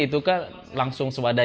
itu dipresikan secara pusat